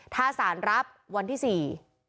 ถ้าสารรับวันที่สี่